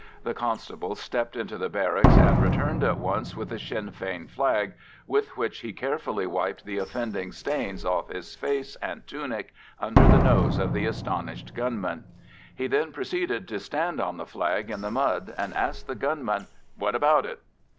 The constable stepped into the barracks and returned at once with the Sinn Fein flag, with which he carefully wiped the offending stains off his face and tunic under the nose of the astonished gunman. He then proceeded to stand on the flag in the mud, and asked the gunman, "What about it?"